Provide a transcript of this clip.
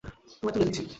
তোমায় তুলে দিচ্ছি।